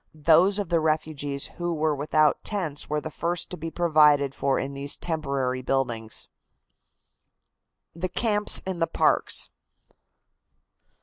Those of the refugees who were without tents were the first to be provided for in these temporary buildings. THE CAMPS IN THE PARKS.